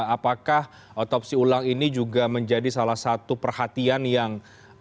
apakah otopsi ulang ini juga menjadi salah satu perhatian yang